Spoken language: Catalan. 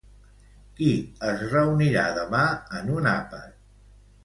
Qui es reunirà demà en un àpat?